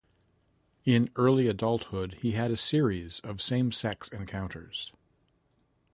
In early adulthood he had a series of same-sex encounters.